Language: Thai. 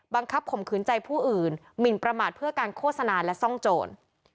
ข่มขืนใจผู้อื่นหมินประมาทเพื่อการโฆษณาและซ่องโจร